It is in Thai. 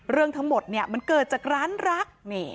เรื่องทั้งหมดมันเกิดจากร้านรัก